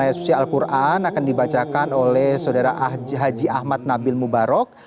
ayat suci al quran akan dibacakan oleh saudara haji ahmad nabil mubarok